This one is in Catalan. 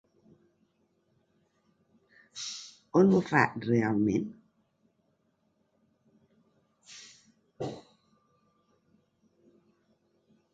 On ho fa realment?